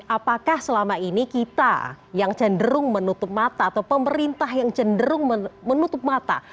apakah selama ini kita yang cenderung menutup mata atau pemerintah yang cenderung menutup mata